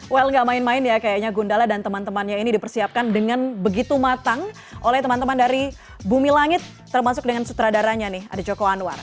well gak main main ya kayaknya gundala dan teman temannya ini dipersiapkan dengan begitu matang oleh teman teman dari bumi langit termasuk dengan sutradaranya nih ada joko anwar